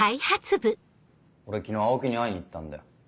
俺昨日青木に会いに行ったんだよ。